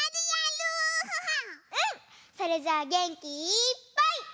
それじゃあげんきいっぱい。